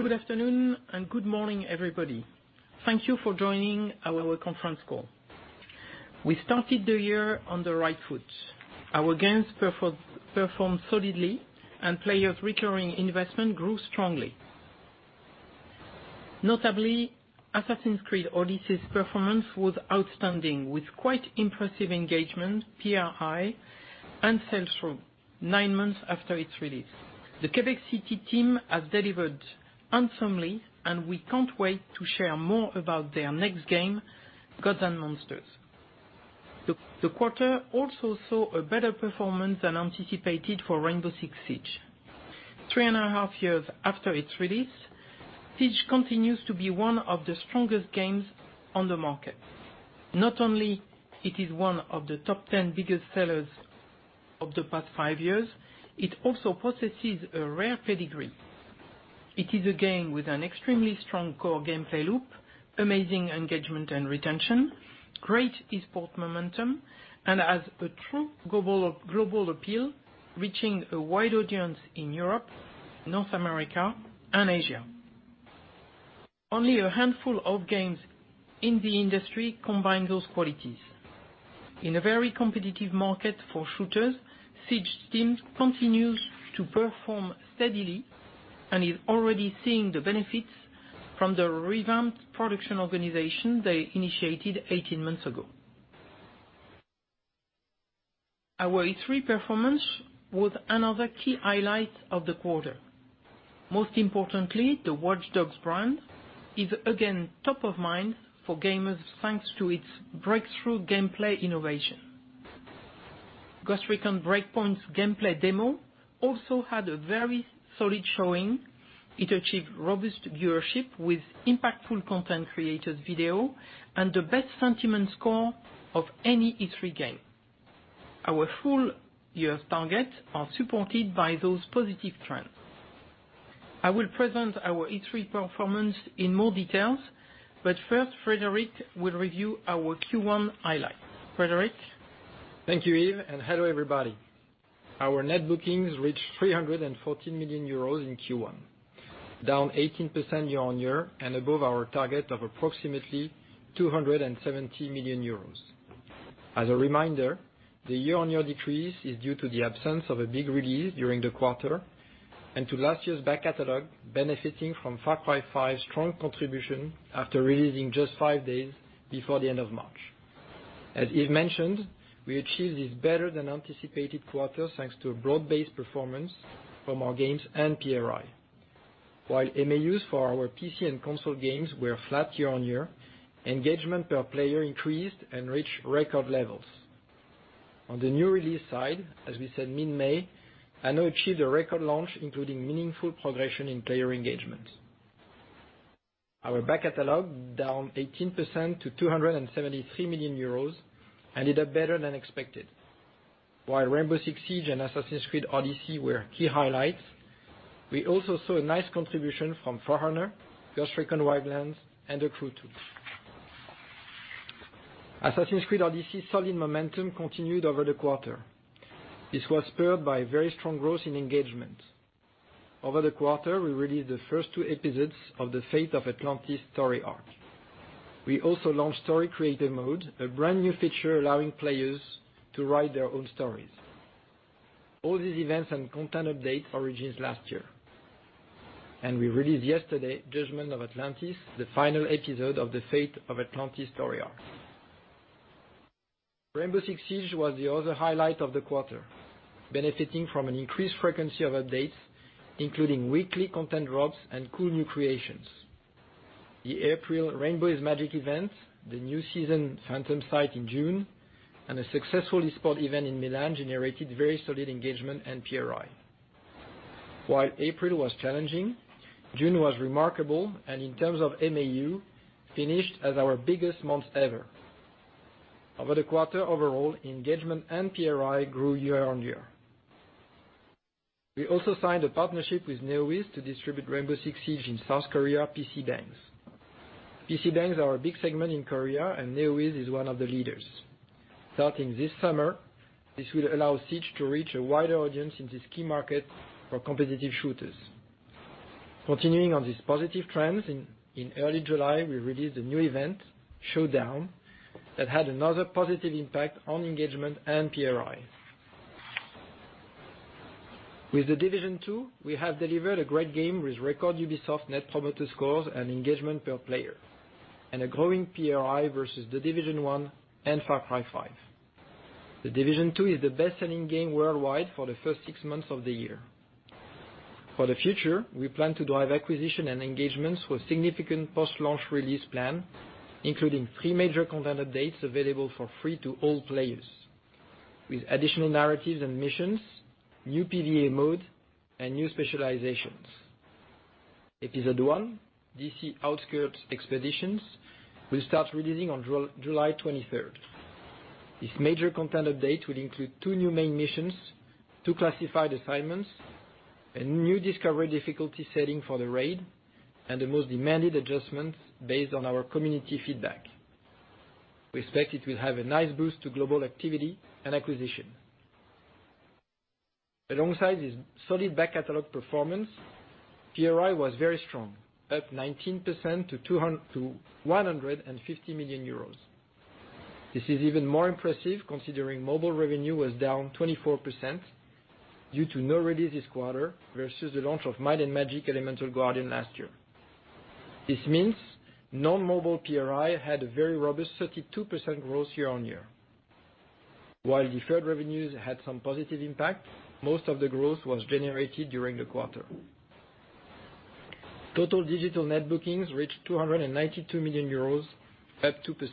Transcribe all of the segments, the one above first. Good afternoon and good morning, everybody. Thank you for joining our conference call. We started the year on the right foot. Our games performed solidly and players' recurring investment grew strongly. Notably, "Assassin's Creed Odyssey's" performance was outstanding, with quite impressive engagement, PRI, and sell-through nine months after its release. The Quebec City team has delivered handsomely, and we can't wait to share more about their next game, "Gods and Monsters." The quarter also saw a better performance than anticipated for "Rainbow Six Siege." Three and a half years after its release, "Siege" continues to be one of the strongest games on the market. Not only is it one of the top 10 biggest sellers of the past five years, it also possesses a rare pedigree. It is a game with an extremely strong core gameplay loop, amazing engagement and retention, great esport momentum, and has a true global appeal, reaching a wide audience in Europe, North America, and Asia. Only a handful of games in the industry combine those qualities. In a very competitive market for shooters, "Siege" team continues to perform steadily and is already seeing the benefits from the revamped production organization they initiated 18 months ago. Our E3 performance was another key highlight of the quarter. Most importantly, the "Watch Dogs" brand is again top of mind for gamers, thanks to its breakthrough gameplay innovation. "Ghost Recon Breakpoint's" gameplay demo also had a very solid showing. It achieved robust viewership with impactful content creators video and the best sentiment score of any E3 game. Our full-year targets are supported by those positive trends. I will present our E3 performance in more details, but first, Frederick will review our Q1 highlights. Frederick? Thank you, Yves, and hello, everybody. Our net bookings reached 314 million euros in Q1, down 18% year-on-year and above our target of approximately 270 million euros. As a reminder, the year-on-year decrease is due to the absence of a big release during the quarter and to last year's back catalog benefiting from "Far Cry 5" strong contribution after releasing just five days before the end of March. As Yves mentioned, we achieved this better-than-anticipated quarter thanks to a broad-based performance from our games and PRI. While MAUs for our PC and console games were flat year-on-year, engagement per player increased and reached record levels. On the new release side, as we said mid-May, "Anno" achieved a record launch, including meaningful progression in player engagement. Our back catalog, down 18% to 273 million euros, ended up better than expected. While "Rainbow Six Siege" and "Assassin's Creed Odyssey" were key highlights, we also saw a nice contribution from "For Honor," "Ghost Recon Wildlands," and "The Crew 2." "Assassin's Creed Odyssey's" solid momentum continued over the quarter. This was spurred by very strong growth in engagement. Over the quarter, we released the first two episodes of The Fate of Atlantis story arc. We also launched Story Creator Mode, a brand-new feature allowing players to write their own stories. All these events and content updates originated last year. We released yesterday "Judgment of Atlantis," the final episode of The Fate of Atlantis story arc. "Rainbow Six Siege" was the other highlight of the quarter, benefiting from an increased frequency of updates, including weekly content drops and cool new creations. The April Rainbow is Magic event, the new season Phantom Sight in June, and a successful esport event in Milan generated very solid engagement and PRI. While April was challenging, June was remarkable, and in terms of MAU, finished as our biggest month ever. Over the quarter overall, engagement and PRI grew year-on-year. We also signed a partnership with Neowiz to distribute "Rainbow Six Siege" in South Korea PC bangs. PC bangs are a big segment in Korea, and Neowiz is one of the leaders. Starting this summer, this will allow "Siege" to reach a wider audience in this key market for competitive shooters. Continuing on these positive trends, in early July, we released a new event, Showdown, that had another positive impact on engagement and PRI. With "The Division 2," we have delivered a great game with record Ubisoft net promoter scores and engagement per player, and a growing PRI versus "The Division 1" and "Far Cry 5." "The Division 2" is the best-selling game worldwide for the first six months of the year. For the future, we plan to drive acquisition and engagements with significant post-launch release plan, including three major content updates available for free to all players, with additional narratives and missions, new PVE mode, and new specializations. Episode One, DC Outskirts: Expeditions, will start releasing on July 23rd. This major content update will include two new main missions, two classified assignments, a new discovery difficulty setting for the raid, and the most demanded adjustments based on our community feedback. We expect it will have a nice boost to global activity and acquisition. Alongside this solid back catalog performance, PRI was very strong, up 19% to 150 million euros. This is even more impressive considering mobile revenue was down 24%, due to no release this quarter versus the launch of Might & Magic: Elemental Guardians last year. This means non-mobile PRI had a very robust 32% growth year-on-year. While deferred revenues had some positive impact, most of the growth was generated during the quarter. Total digital net bookings reached 292 million euros, up 2%.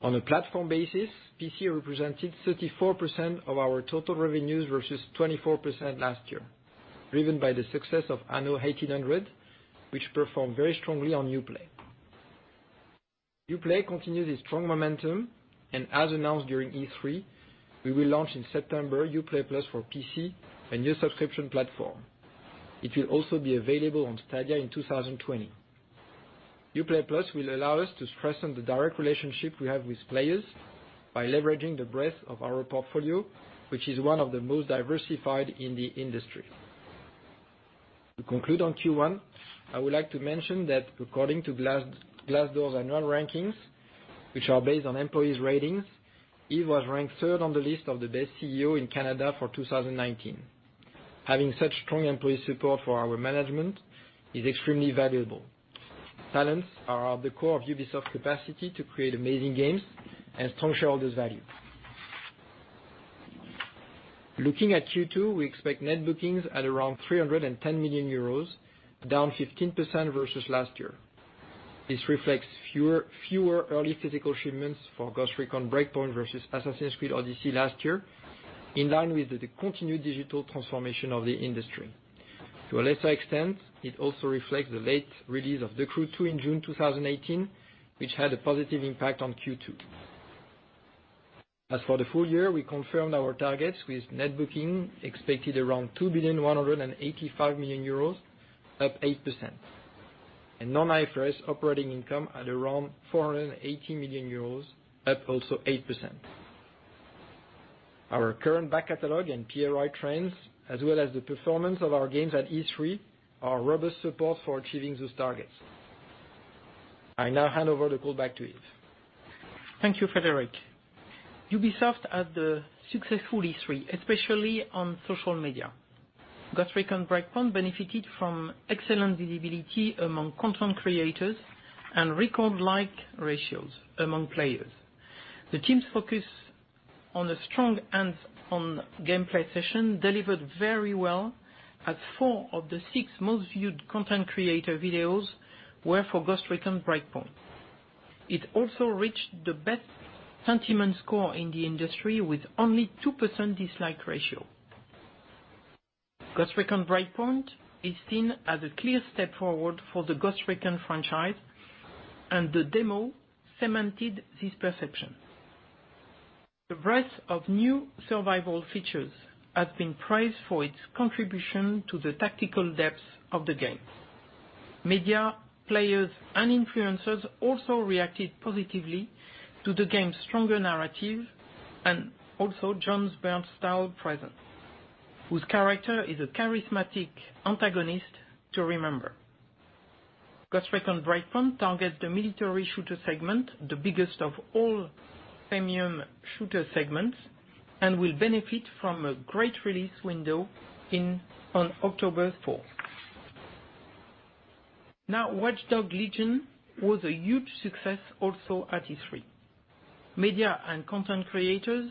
On a platform basis, PC represented 34% of our total revenues, versus 24% last year, driven by the success of Anno 1800, which performed very strongly on Uplay. Uplay continues its strong momentum. As announced during E3, we will launch in September Uplay+ for PC, a new subscription platform. It will also be available on Stadia in 2020. Uplay+ will allow us to strengthen the direct relationship we have with players by leveraging the breadth of our portfolio, which is one of the most diversified in the industry. To conclude on Q1, I would like to mention that according to Glassdoor's annual rankings, which are based on employees' ratings, Yves was ranked third on the list of the best CEO in Canada for 2019. Having such strong employee support for our management is extremely valuable. Talents are at the core of Ubisoft's capacity to create amazing games and strong shareholders' value. Looking at Q2, we expect net bookings at around 310 million euros, down 15% versus last year. This reflects fewer early physical shipments for Ghost Recon Breakpoint versus Assassin's Creed Odyssey last year, in line with the continued digital transformation of the industry. To a lesser extent, it also reflects the late release of The Crew 2 in June 2018, which had a positive impact on Q2. As for the full year, we confirmed our targets with net bookings expected around 2.185 billion, up 8%, and non-IFRS operating income at around 480 million euros, up also 8%. Our current back catalog and PRI trends, as well as the performance of our games at E3, are robust support for achieving those targets. I now hand over the call back to Yves. Thank you, Frederick. Ubisoft had a successful E3, especially on social media. Ghost Recon Breakpoint benefited from excellent visibility among content creators and record-like ratios among players. The team's focus on a strong hands-on gameplay session delivered very well, as four of the six most-viewed content creator videos were for Ghost Recon Breakpoint. It also reached the best sentiment score in the industry with only 2% dislike ratio. Ghost Recon Breakpoint is seen as a clear step forward for the Ghost Recon franchise, and the demo cemented this perception. The breadth of new survival features has been praised for its contribution to the tactical depth of the game. Media, players, and influencers also reacted positively to the game's stronger narrative and also Jon Bernthal's presence, whose character is a charismatic antagonist to remember. Ghost Recon Breakpoint targets the military shooter segment, the biggest of all premium shooter segments, and will benefit from a great release window on October 4th. Watch Dogs Legion was a huge success also at E3. Media and content creators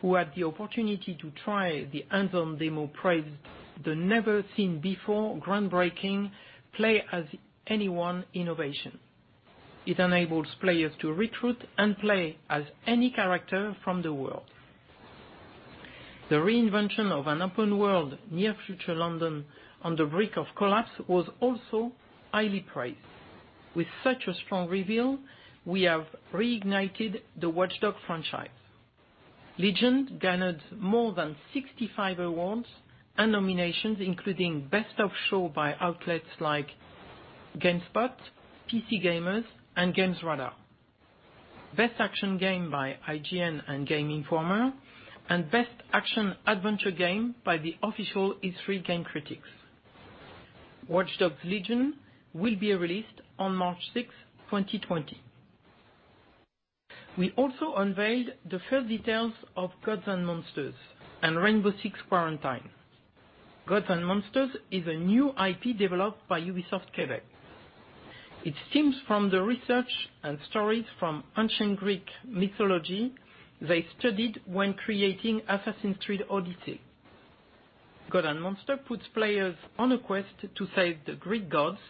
who had the opportunity to try the hands-on demo praised the never-seen-before groundbreaking Play as Anyone innovation. It enables players to recruit and play as any character from the world. The reinvention of an open world near-future London on the brink of collapse was also highly praised. With such a strong reveal, we have reignited the Watch Dogs franchise. Legion garnered more than 65 awards and nominations, including Best of Show by outlets like GameSpot, PC Gamer, and GamesRadar+. Best Action Game by IGN and Game Informer, and Best Action Adventure Game by the official E3 game critics. Watch Dogs Legion will be released on March 6, 2020. We also unveiled the first details of Gods & Monsters and Rainbow Six Quarantine. Gods & Monsters is a new IP developed by Ubisoft Quebec. It stems from the research and stories from ancient Greek mythology they studied when creating Assassin's Creed Odyssey. Gods & Monsters puts players on a quest to save the Greek gods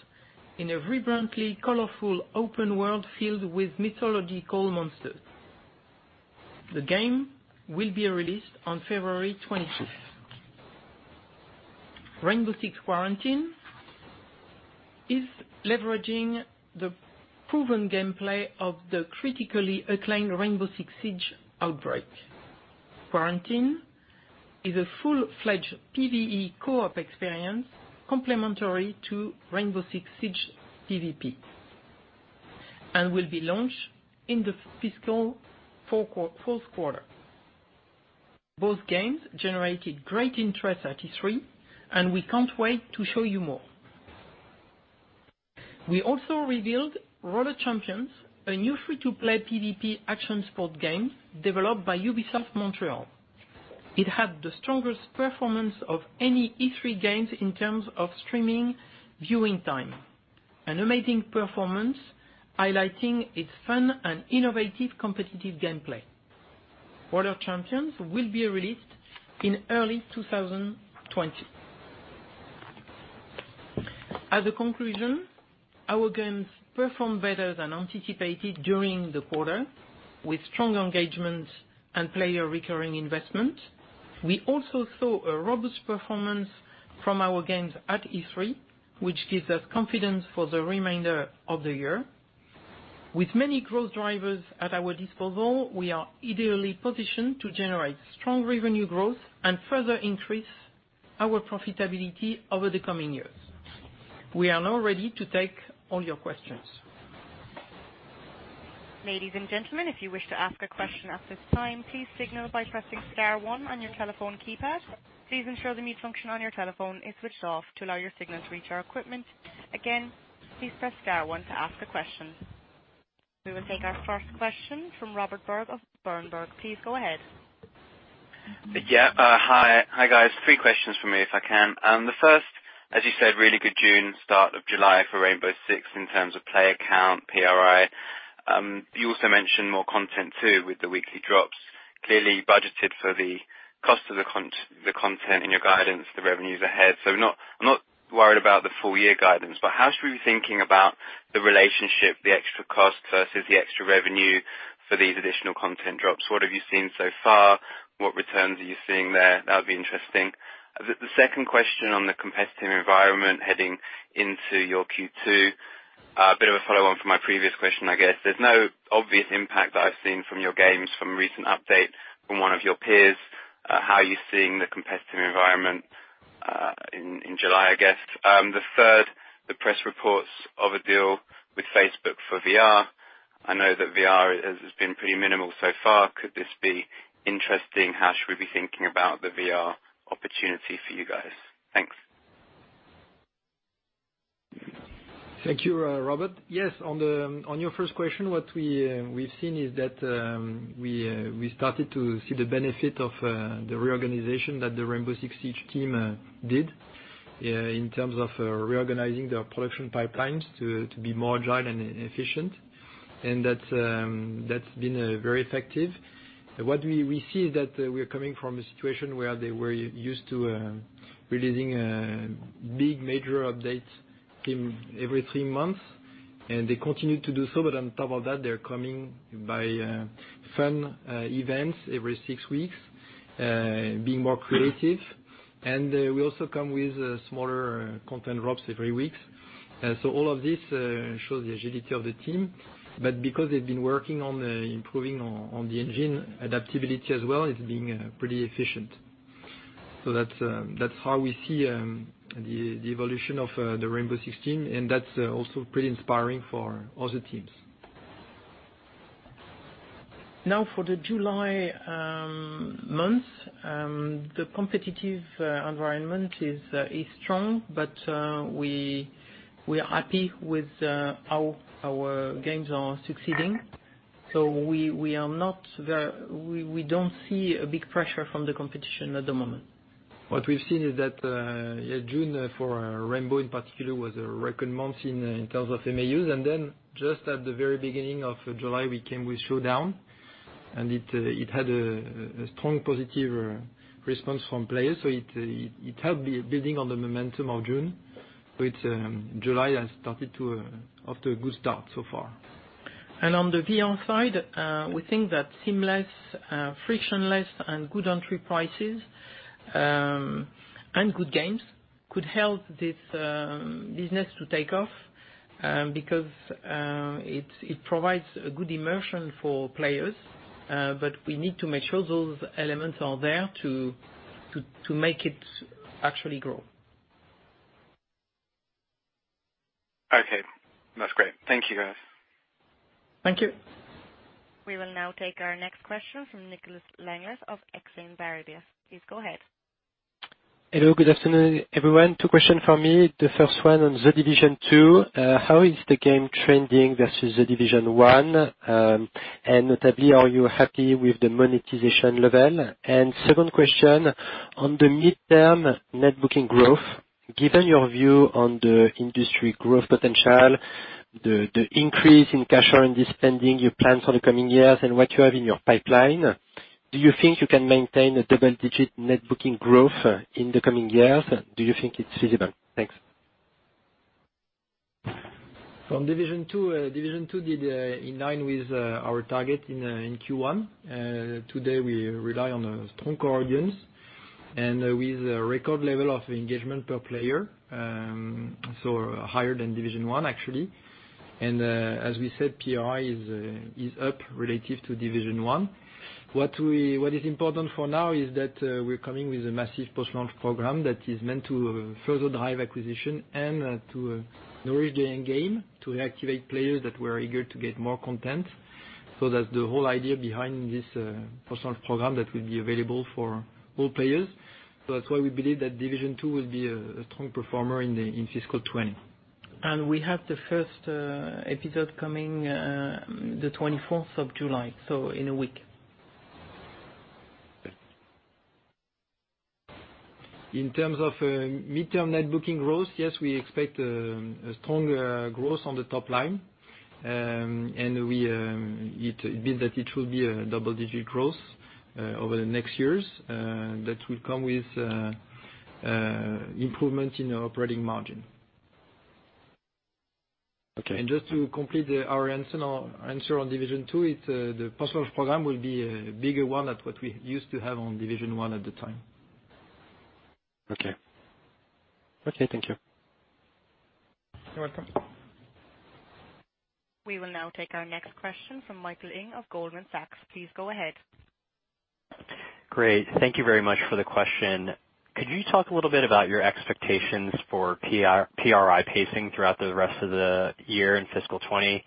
in a vibrantly colorful open world filled with mythological monsters. The game will be released on February 25th. Rainbow Six Quarantine is leveraging the proven gameplay of the critically acclaimed Rainbow Six Siege Outbreak. Quarantine is a full-fledged PVE co-op experience complementary to Rainbow Six Siege PVP. It will be launched in the fiscal fourth quarter. Both games generated great interest at E3, and we can't wait to show you more. We also revealed Roller Champions, a new free-to-play PVP action sport game developed by Ubisoft Montreal. It had the strongest performance of any E3 games in terms of streaming viewing time. An amazing performance highlighting its fun and innovative competitive gameplay. Roller Champions will be released in early 2020. As a conclusion, our games performed better than anticipated during the quarter with strong engagement and player recurring investment. We also saw a robust performance from our games at E3, which gives us confidence for the remainder of the year. With many growth drivers at our disposal, we are ideally positioned to generate strong revenue growth and further increase our profitability over the coming years. We are now ready to take all your questions. Ladies and gentlemen, if you wish to ask a question at this time, please signal by pressing star one on your telephone keypad. Please ensure the mute function on your telephone is switched off to allow your signal to reach our equipment. Again, please press star one to ask a question. We will take our first question from Robert Berg of Berenberg. Please go ahead. Hi. Hi, guys. Three questions from me, if I can. The first, as you said, really good June, start of July for Rainbow Six in terms of player count, PRI. You also mentioned more content too with the weekly drops. Clearly budgeted for the cost of the content in your guidance, the revenues ahead. I'm not worried about the full year guidance, but how should we be thinking about the relationship, the extra cost versus the extra revenue for these additional content drops? What have you seen so far? What returns are you seeing there? That would be interesting. The second question on the competitive environment heading into your Q2. A bit of a follow-on from my previous question, I guess. There's no obvious impact that I've seen from your games from recent updates from one of your peers. How are you seeing the competitive environment, in July, I guess? Press reports of a deal with Facebook for VR. I know that VR has been pretty minimal so far. Could this be interesting? How should we be thinking about the VR opportunity for you guys? Thanks. Thank you, Robert. Yes, on your first question, what we've seen is that we started to see the benefit of the reorganization that the Rainbow Six Siege team did in terms of reorganizing their production pipelines to be more agile and efficient. That's been very effective. What we see is that we are coming from a situation where they were used to releasing big major updates every three months, and they continue to do so, but on top of that, they're coming by fun events every six weeks, being more creative. We also come with smaller content drops every week. All of this shows the agility of the team. Because they've been working on improving on the engine adaptability as well, it's been pretty efficient. That's how we see the evolution of the Rainbow Six team, and that's also pretty inspiring for other teams. Now for the July month, the competitive environment is strong, but we are happy with how our games are succeeding. We don't see a big pressure from the competition at the moment. What we've seen is that June for Rainbow in particular was a record month in terms of MAUs, and then just at the very beginning of July, we came with Showdown, and it had a strong positive response from players. It helped building on the momentum of June, July has started off to a good start so far. On the VR side, we think that seamless, frictionless, and good entry prices, and good games could help this business to take off, because it provides a good immersion for players. We need to make sure those elements are there to make it actually grow. Okay. That's great. Thank you, guys. Thank you. We will now take our next question from Nicolas Langlet of Exane BNP Paribas. Please go ahead. Hello. Good afternoon, everyone. Two question from me. The first one on The Division 2. How is the game trending versus The Division 1? Notably, are you happy with the monetization level? Second question on the midterm net booking growth. Given your view on the industry growth potential, the increase in cash on this spending, your plans for the coming years, and what you have in your pipeline, do you think you can maintain a double-digit net booking growth in the coming years? Do you think it's feasible? Thanks. From Division 2. Division 2 did in line with our target in Q1. Today, we rely on a strong core audience. With a record level of engagement per player, so higher than Division 1 actually. As we said, PRI is up relative to Division 1. What is important for now is that we're coming with a massive post-launch program that is meant to further drive acquisition and to nourish the end game, to activate players that were eager to get more content. That's the whole idea behind this personal program that will be available for all players. That's why we believe that Division 2 will be a strong performer in FY 2020. We have the first episode coming the 24th of July, so in a week. In terms of midterm net booking growth, yes, we expect a strong growth on the top line. It means that it will be a double-digit growth over the next years, that will come with improvement in our operating margin. Okay. Just to complete our answer on The Division 2, the post-launch program will be a bigger one that what we used to have on The Division 1 at the time. Okay. Thank you. You're welcome. We will now take our next question from Michael Ng of Goldman Sachs. Please go ahead. Great. Thank you very much for the question. Could you talk a little bit about your expectations for PRI pacing throughout the rest of the year in fiscal 2020?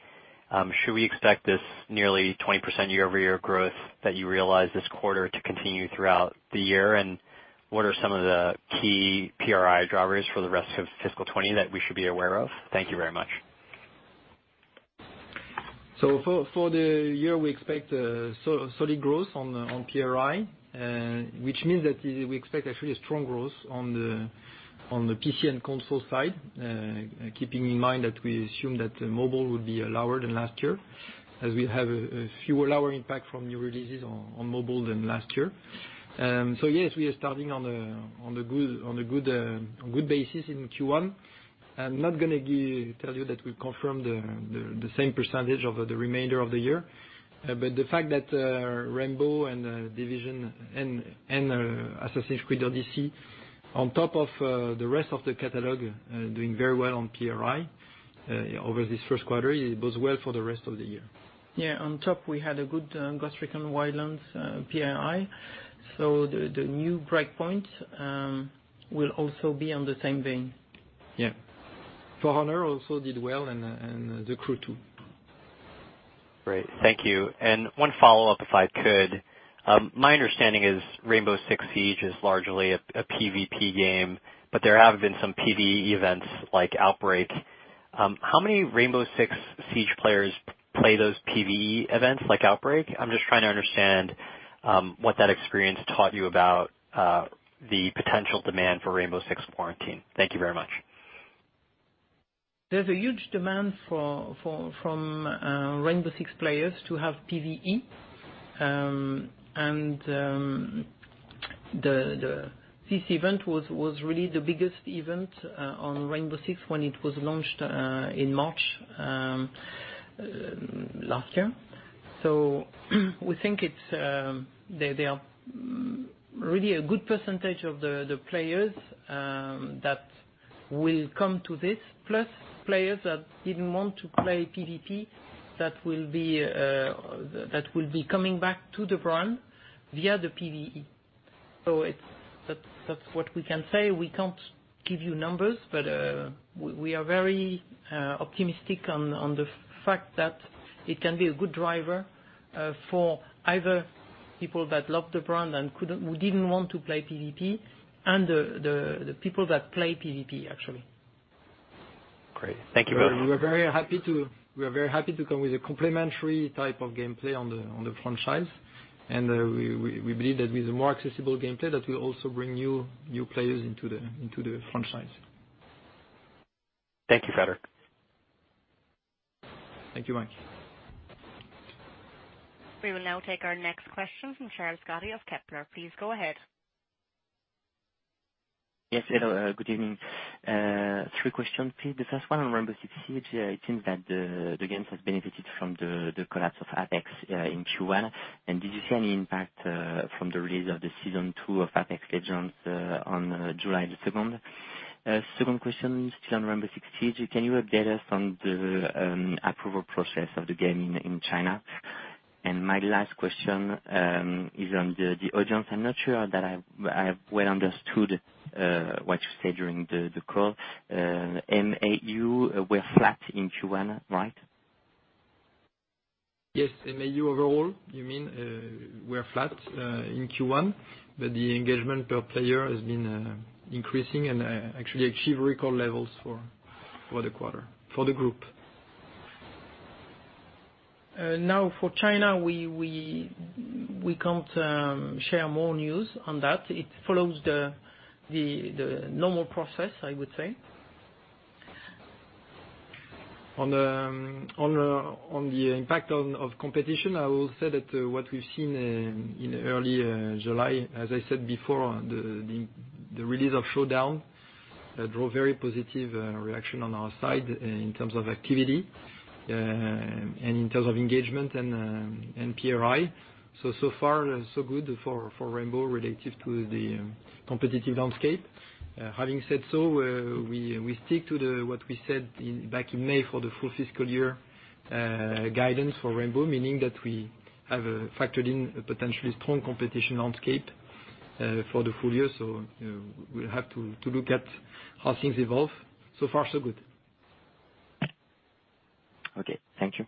Should we expect this nearly 20% year-over-year growth that you realized this quarter to continue throughout the year? What are some of the key PRI drivers for the rest of fiscal 2020 that we should be aware of? Thank you very much. For the year, we expect solid growth on PRI, which means that we expect actually a strong growth on the PC and console side. Keeping in mind that we assume that mobile will be lower than last year, as we have a lower impact from new releases on mobile than last year. I'm not going to tell you that we've confirmed the same percentage over the remainder of the year. The fact that Rainbow and Division and Assassin's Creed Odyssey, on top of the rest of the catalog, doing very well on PRI, over this first quarter, it bodes well for the rest of the year. On top, we had a good Ghost Recon Wildlands PRI, the new Ghost Recon Breakpoint will also be on the same vein. For Honor also did well and The Crew 2. One follow-up, if I could. My understanding is Rainbow Six Siege is largely a PVP game, but there have been some PVE events like Outbreak. How many Rainbow Six Siege players play those PVE events like Outbreak? I'm just trying to understand what that experience taught you about the potential demand for Rainbow Six Quarantine. Thank you very much. There's a huge demand from Rainbow Six players to have PVE. This event was really the biggest event on Rainbow Six when it was launched in March last year. We think there are really a good percentage of the players that will come to this, plus players that didn't want to play PVP that will be coming back to the brand via the PVE. That's what we can say. We can't give you numbers, but we are very optimistic on the fact that it can be a good driver for either people that love the brand and who didn't want to play PVP and the people that play PVP, actually. Great. Thank you very much. We are very happy to come with a complimentary type of gameplay on the franchise. We believe that with a more accessible gameplay, that will also bring new players into the franchise. Thank you, Frederick. Thank you, Mike. We will now take our next question from Charles Scott of Kepler. Please go ahead. Yes, hello, good evening. Three questions, please. The first one on Rainbow Six Siege. It seems that the game has benefited from the collapse of Apex in Q1. Did you see any impact from the release of the season 2 of Apex Legends on July the 2nd? Second question, still on Rainbow Six Siege. Can you update us on the approval process of the game in China? My last question is on the audience. I'm not sure that I have well understood what you said during the call. MAU were flat in Q1, right? Yes. MAU overall, you mean, we are flat in Q1, but the engagement per player has been increasing and actually achieve record levels for the quarter, for the group. For China, we can't share more news on that. It follows the normal process, I would say. On the impact of competition, I will say that what we've seen in early July, as I said before, the release of Showdown drew very positive reaction on our side in terms of activity and in terms of engagement and PRI. So far so good for Rainbow relative to the competitive landscape. Having said so, we stick to what we said back in May for the full fiscal year guidance for Rainbow, meaning that we have factored in a potentially strong competition landscape for the full year. We'll have to look at how things evolve. So far, so good. Okay. Thank you.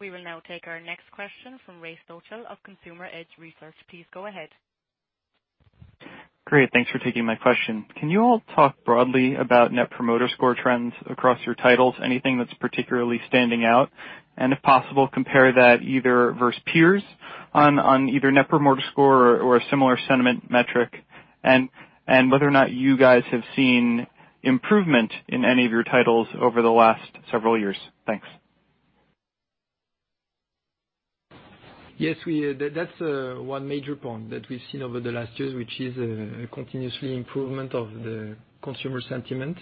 We will now take our next question from Ray Stochel of Consumer Edge Research. Please go ahead. Great. Thanks for taking my question. Can you all talk broadly about net promoter score trends across your titles, anything that's particularly standing out? If possible, compare that either versus peers on either net promoter score or a similar sentiment metric, and whether or not you guys have seen improvement in any of your titles over the last several years. Thanks. Yes, that's one major point that we've seen over the last years, which is a continuously improvement of the consumer sentiment.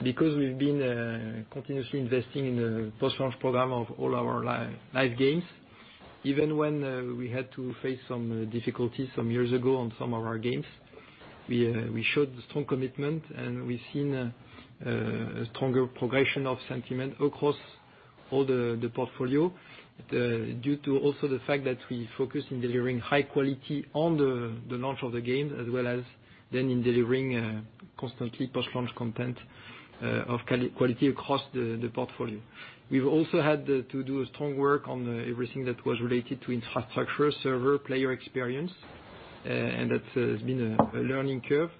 Because we've been continuously investing in the post-launch program of all our live games. Even when we had to face some difficulties some years ago on some of our games, we showed strong commitment, and we've seen a stronger progression of sentiment across all the portfolio, due to also the fact that we focus on delivering high quality on the launch of the games, as well as then in delivering constantly post-launch content of quality across the portfolio. We've also had to do strong work on everything that was related to infrastructure, server, player experience. That has been a learning curve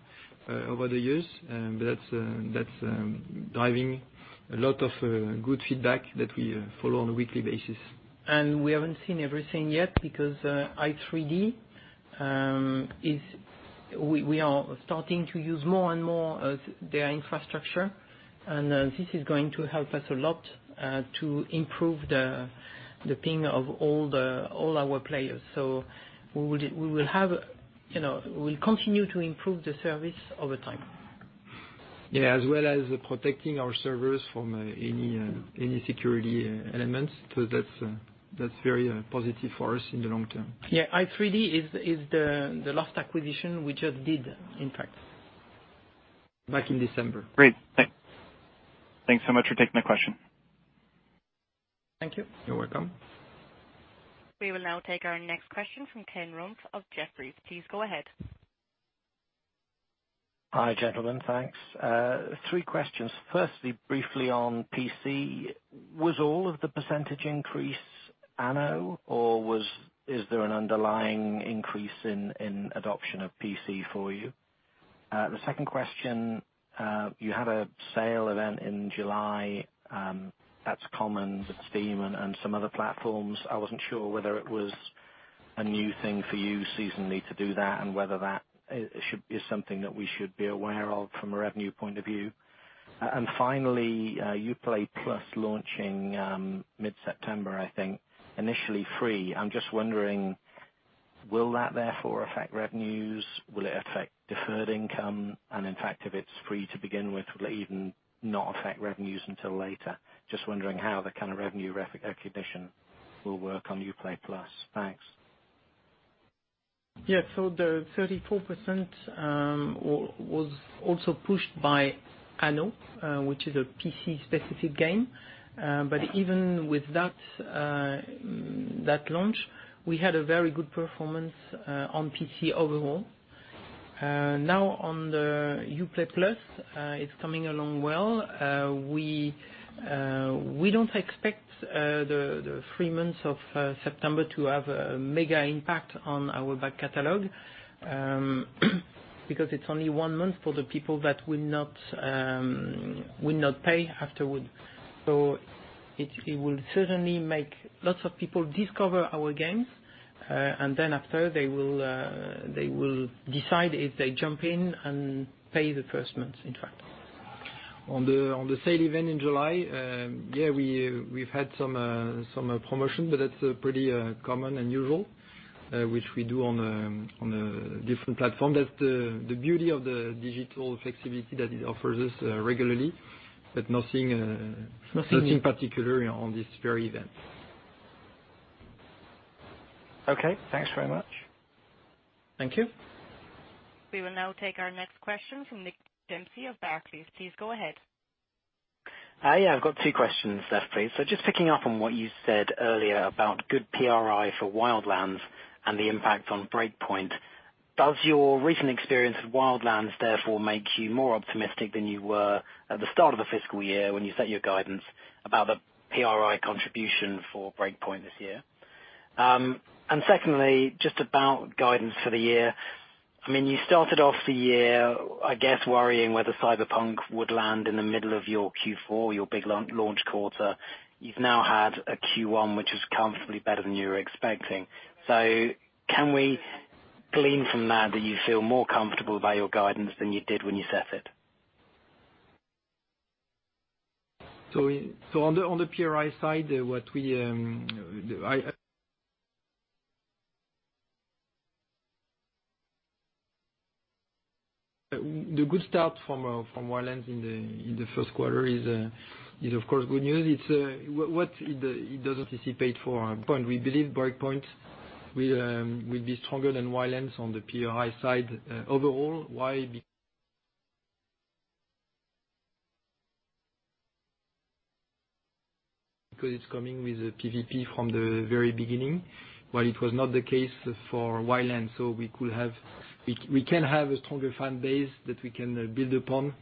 over the years, but that's driving a lot of good feedback that we follow on a weekly basis. We haven't seen everything yet because i3D.net, we are starting to use more and more of their infrastructure, and this is going to help us a lot, to improve the ping of all our players. We will continue to improve the service over time. As well as protecting our servers from any security elements. That's very positive for us in the long term. i3D.net is the last acquisition we just did, in fact. Back in December. Great. Thanks so much for taking my question. Thank you. You're welcome. We will now take our next question from Ken Rumph of Jefferies. Please go ahead. Hi, gentlemen. Thanks. Three questions. Firstly, briefly on PC, was all of the percentage increase Anno, or is there an underlying increase in adoption of PC for you? The second question, you had a sale event in July, that's common with Steam and some other platforms. I wasn't sure whether it was a new thing for you seasonally to do that, and whether that is something that we should be aware of from a revenue point of view. Finally, Uplay+ launching mid-September, I think, initially free. I'm just wondering, will that therefore affect revenues? Will it affect deferred income? In fact, if it's free to begin with, will it even not affect revenues until later? Just wondering how the kind of revenue recognition will work on Uplay+. Thanks. Yeah. The 34% was also pushed by Anno, which is a PC-specific game. Even with that launch, we had a very good performance on PC overall. Now on the Uplay+, it's coming along well. We don't expect the free months of September to have a mega impact on our back catalog, because it's only one month for the people that will not pay afterwards. It will certainly make lots of people discover our games. Then after, they will decide if they jump in and pay the first month, in fact. On the sale event in July, yeah, we've had some promotion, but that's pretty common and usual, which we do on a different platform. That's the beauty of the digital flexibility that it offers us regularly. Nothing nothing particular on this very event. Okay, thanks very much. Thank you. We will now take our next question from Nick Dempsey of Barclays. Please go ahead. Yeah, I've got two questions, [inaudible] Just picking up on what you said earlier about good PRI for Wildlands and the impact on Breakpoint. Does your recent experience with Wildlands therefore make you more optimistic than you were at the start of the fiscal year when you set your guidance about the PRI contribution for Breakpoint this year? Secondly, just about guidance for the year. You started off the year, I guess, worrying whether Cyberpunk would land in the middle of your Q4, your big launch quarter. You've now had a Q1, which is comfortably better than you were expecting. Can we glean from that you feel more comfortable about your guidance than you did when you set it? On the PRI side, The good start from Wildlands in the first quarter is, of course, good news. It doesn't anticipate for our point. We believe Breakpoint will be stronger than Wildlands on the PRI side. Overall, why? Because it's coming with PVP from the very beginning, while it was not the case for Wildlands. We can have a stronger fan base that we can build upon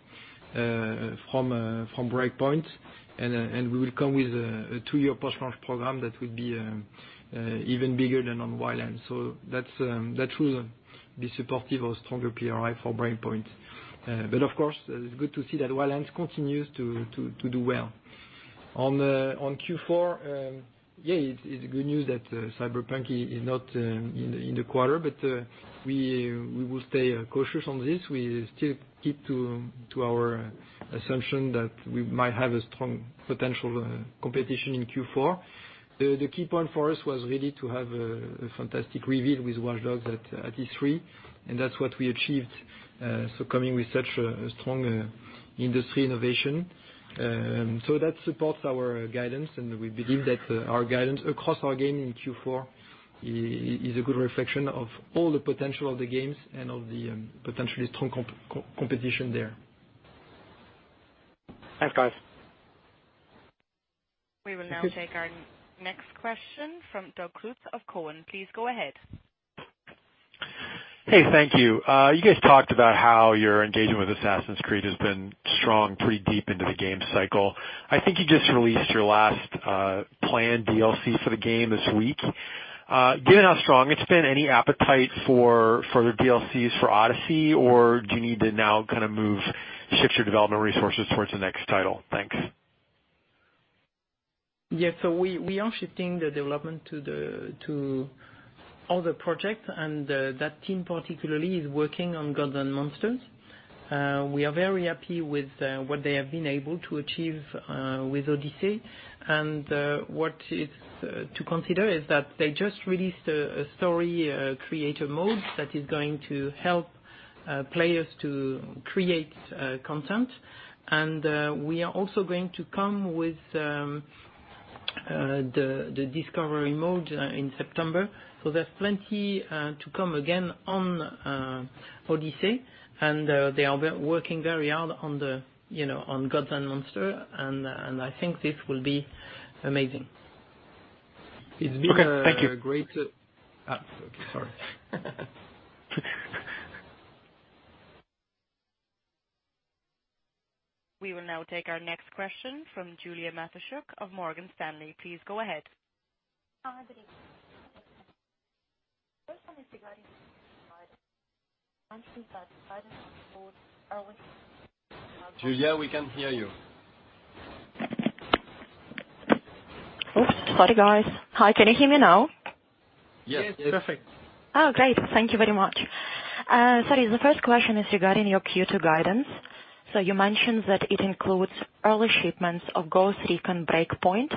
from Breakpoint, and we will come with a two-year post-launch program that will be even bigger than on Wildlands. That will be supportive of stronger PRI for Breakpoint. Of course, it's good to see that Wildlands continues to do well. On Q4, yeah, it's good news that Cyberpunk is not in the quarter, we will stay cautious on this. We still keep to our assumption that we might have a strong potential competition in Q4. The key point for us was really to have a fantastic reveal with Watch Dogs at E3, that's what we achieved. Coming with such a strong industry innovation. That supports our guidance, we believe that our guidance across our game in Q4 is a good reflection of all the potential of the games and of the potentially strong competition there. Thanks, guys. We will now take our next question from Doug Creutz of Cowen. Please go ahead. Hey, thank you. You guys talked about how your engagement with Assassin's Creed has been strong pretty deep into the game cycle. I think you just released your last planned DLC for the game this week. Given how strong it's been, any appetite for further DLCs for Odyssey, or do you need to now kind of move, shift your development resources towards the next title? Thanks. We are shifting the development to other projects, and that team particularly is working on Gods & Monsters. We are very happy with what they have been able to achieve with Odyssey. What is to consider is that they just released a Story Creator Mode that is going to help players to create content. We are also going to come with the discovery mode in September. There's plenty to come again on Odyssey, and they are working very hard on Gods & Monsters, I think this will be amazing. Okay. Thank you. Okay, sorry. We will now take our next question from Julia Matoshchuk of Morgan Stanley. Please go ahead. Hi, good evening. First one is regarding. Julia, we can't hear you. Oops, sorry, guys. Hi, can you hear me now? Yes. Yes. Perfect. Great. Thank you very much. Sorry. The first question is regarding your Q2 guidance. You mentioned that it includes early shipments of Ghost Recon Breakpoint,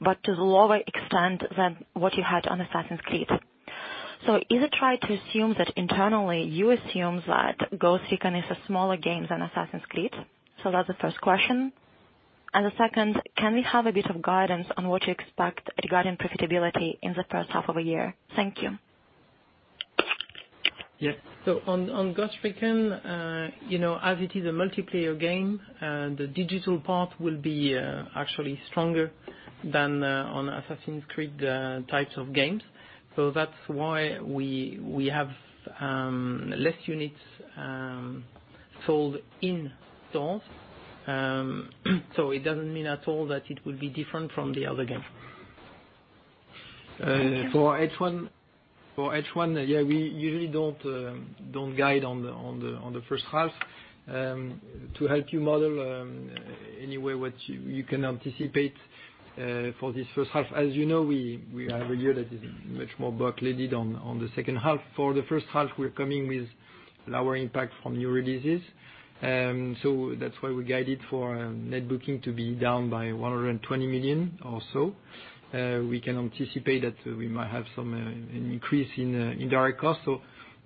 but to the lower extent than what you had on Assassin's Creed. Is it right to assume that internally, you assume that Ghost Recon is a smaller game than Assassin's Creed? That's the first question. The second, can we have a bit of guidance on what you expect regarding profitability in the first half of the year? Thank you. On Ghost Recon, as it is a multiplayer game, the digital part will be actually stronger than on Assassin's Creed types of games. That's why we have less units sold in stores. It doesn't mean at all that it will be different from the other games. For H1, we usually don't guide on the first half. To help you model anyway what you can anticipate for this first half. As you know, we have a year that is much more backloaded on the second half. For the first half, we're coming with lower impact from new releases. That's why we guided for net bookings to be down by 120 million or so. We can anticipate that we might have some increase in direct costs.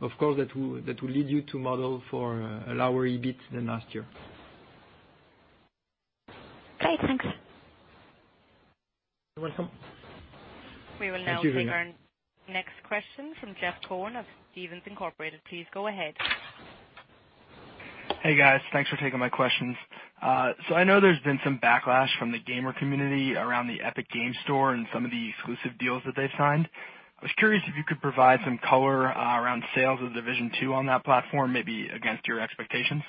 Of course, that will lead you to model for a lower EBIT than last year. Okay, thanks. You're welcome. Thank you, Julia. We will now take our next question from Jeff Cohen of Stephens Incorporated. Please go ahead. Hey, guys. Thanks for taking my questions. I know there's been some backlash from the gamer community around the Epic Games Store and some of the exclusive deals that they've signed. I was curious if you could provide some color around sales of The Division 2 on that platform, maybe against your expectations.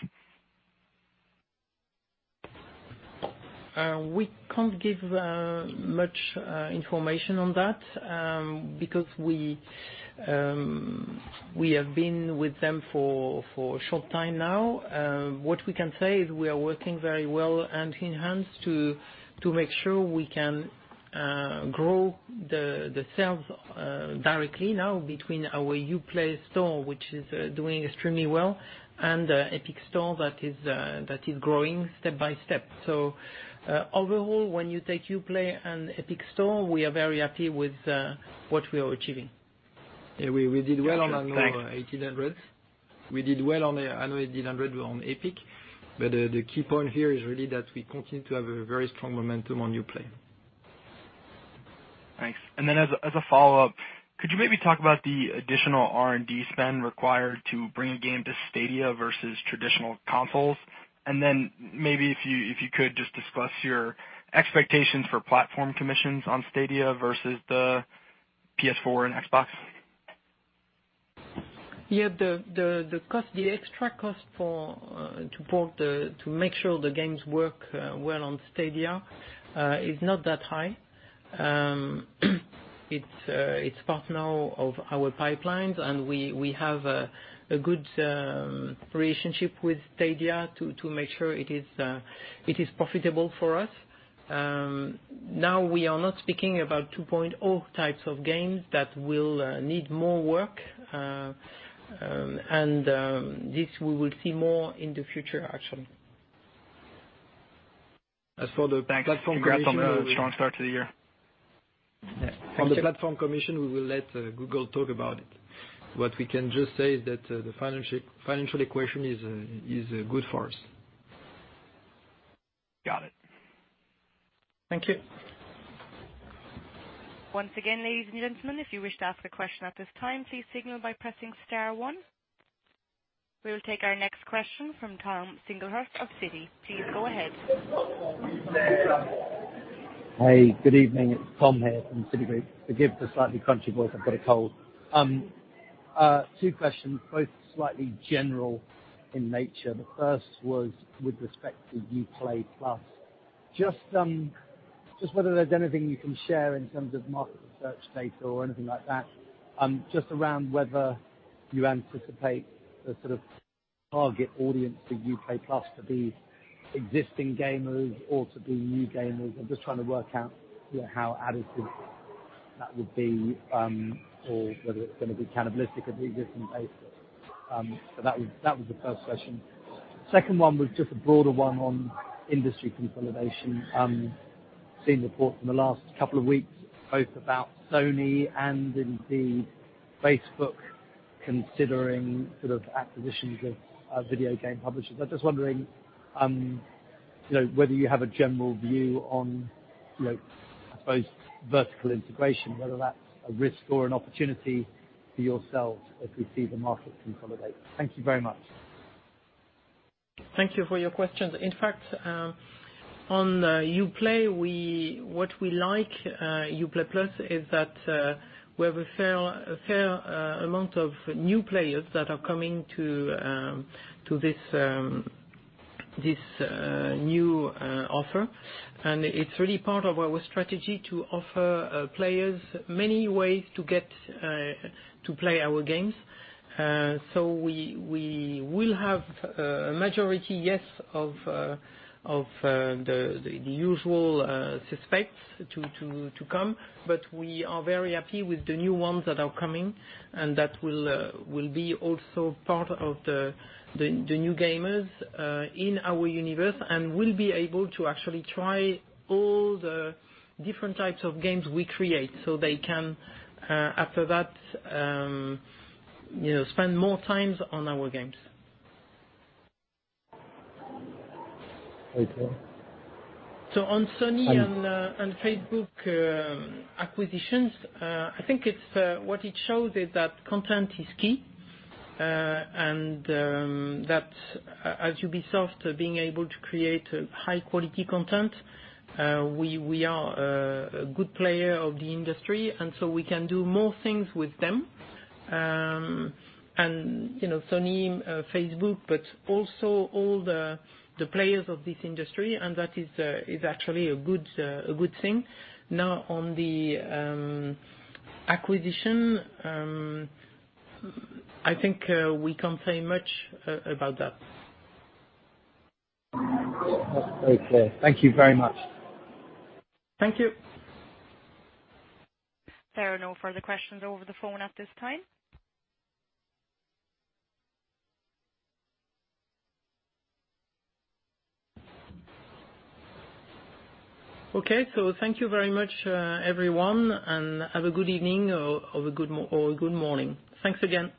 We can't give much information on that because we have been with them for a short time now. What we can say is we are working very well and in hands to make sure we can grow the sales directly now between our Uplay store, which is doing extremely well, and the Epic store that is growing step by step. Overall, when you take Uplay and Epic store, we are very happy with what we are achieving. Yeah, we did well on Gotcha. Thanks our Anno 1800 on Epic. The key point here is really that we continue to have a very strong momentum on Uplay. Thanks. As a follow-up, could you maybe talk about the additional R&D spend required to bring a game to Stadia versus traditional consoles? Then maybe if you could just discuss your expectations for platform commissions on Stadia versus the PS4 and Xbox. The extra cost to make sure the games work well on Stadia is not that high. It's part now of our pipelines, and we have a good relationship with Stadia to make sure it is profitable for us. We are not speaking about 2.0 types of games that will need more work. This, we will see more in the future, actually. As for the platform commission. Thanks. Congrats on the strong start to the year. On the platform commission, we will let Google talk about it. What we can just say is that the financial equation is good for us. Got it. Thank you. Once again, ladies and gentlemen, if you wish to ask a question at this time, please signal by pressing star one. We will take our next question from Tom Singlehurst of Citi. Please go ahead. Hey, good evening. It's Tom here from Citigroup. Forgive the slightly crunchy voice, I've got a cold. Two questions, both slightly general in nature. The first was with respect to Uplay Plus. Just whether there's anything you can share in terms of market research data or anything like that, just around whether you anticipate the sort of target audience for Uplay Plus to be existing gamers or to be new gamers. I'm just trying to work out how additive that would be or whether it's going to be cannibalistic of the existing base. That was the first question. Second one was just a broader one on industry consolidation. Seen reports in the last couple of weeks, both about Sony and indeed Facebook considering sort of acquisitions of video game publishers. I'm just wondering whether you have a general view on, I suppose, vertical integration, whether that's a risk or an opportunity for yourselves as we see the market consolidate. Thank you very much. Thank you for your questions. In fact, on Uplay, what we like Uplay+ is that we have a fair amount of new players that are coming to this new offer. It's really part of our strategy to offer players many ways to get to play our games. We will have a majority, yes, of the usual suspects to come, but we are very happy with the new ones that are coming, and that will be also part of the new gamers in our universe and will be able to actually try all the different types of games we create so they can, after that, spend more time on our games. Okay. On Sony and Facebook acquisitions, I think what it shows is that content is key, and that as Ubisoft being able to create high-quality content, we are a good player of the industry, we can do more things with them. Sony, Facebook, but also all the players of this industry, and that is actually a good thing. Now on the acquisition, I think we can't say much about that. That's very clear. Thank you very much. Thank you. There are no further questions over the phone at this time. Okay. Thank you very much, everyone, and have a good evening or a good morning. Thanks again.